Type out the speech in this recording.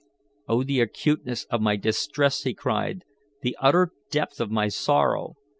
"Oh, the acuteness of my distress," he cried, "the utter depth of my sorrow!